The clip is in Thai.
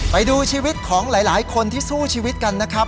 ไปดูชีวิตของหลายคนที่สู้ชีวิตกันนะครับ